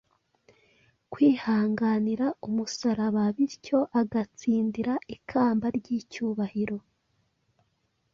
kwihanganira umusaraba bityo agatsindira ikamba ry’icyubahiro.